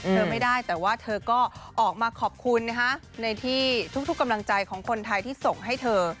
เธอไม่ได้แต่ว่าเธอก็ออกมาขอบคุณนะฮะในที่ทุกกำลังใจของคนไทยที่ส่งให้เธอ